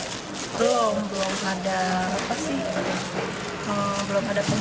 belum belum ada pencetakan